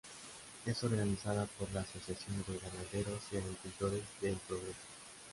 Es organizada por la Asociación de Ganaderos y Agricultores de El Progreso.